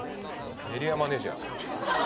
エリアマネジャー。